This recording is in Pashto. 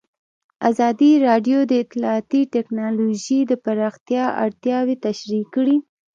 ازادي راډیو د اطلاعاتی تکنالوژي د پراختیا اړتیاوې تشریح کړي.